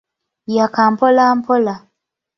Yakka mpola mpola.